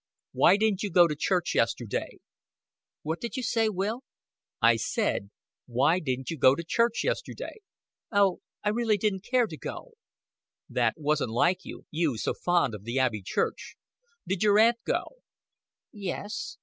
"Why didn't you go to church yesterday?" "What did you say, Will?" "I said, why didn't you go to church yesterday?" "Oh I really didn't care to go." "That wasn't like you you so fond of the Abbey Church. Did your Aunt go?" "Yes."